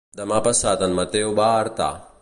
Demà passat en Mateu va a Artà.